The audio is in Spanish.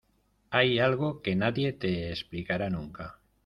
Hay algo que nadie te explicará nunca.